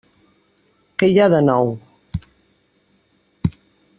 Què hi ha de nou?